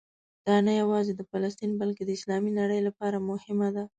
دا نه یوازې د فلسطین بلکې د اسلامي نړۍ لپاره مهمه ده.